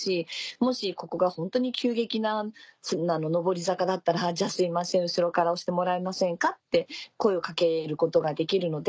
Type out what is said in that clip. もしここがホントに急激な上り坂だったら「じゃすいません後ろから押してもらえませんか」って声を掛けることができるので。